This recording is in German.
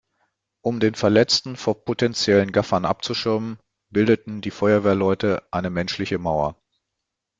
Um den Verletzten von potenziellen Gaffern abzuschirmen, bildeten die Feuerwehrleute eine menschliche Mauer.